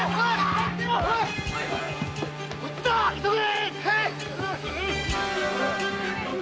こっちだ急げ！